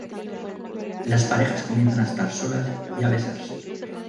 Las parejas comienzan a estar solas y a besarse.